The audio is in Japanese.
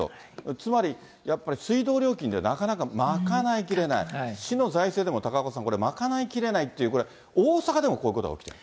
つまりやっぱり水道料金でなかなか賄いきれない、市の財政でも高岡さん、これ賄いきれないって、これ、大阪でもこういうことが起きてる。